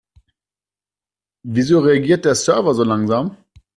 Wieso reagiert der Server so langsam?